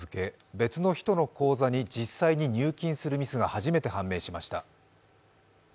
別の人の口座に実際に入金するミスが始めて判明しました。